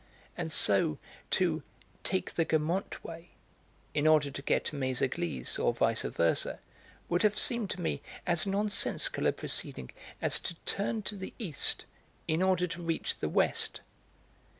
And so to 'take the Guermantes way' in order to get to Méséglise, or vice versa, would have seemed to me as nonsensical a proceeding as to turn to the east in order to reach the west.